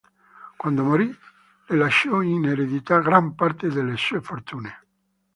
Quando morì, le lasciò in eredità gran parte delle sue fortune.